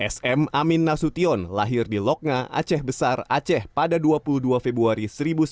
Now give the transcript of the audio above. sm amin nasution lahir di lokna aceh besar aceh pada dua puluh dua februari seribu sembilan ratus sembilan puluh